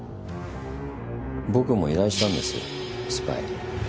僕も依頼したんですスパイ。